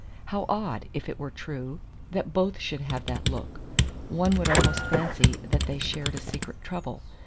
How odd, if it were true, that both should have that look. One would almost fancy they shared a secret trouble.